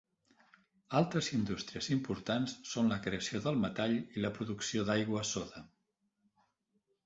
Altres indústries importants són la creació del metall i la producció d'aigua soda.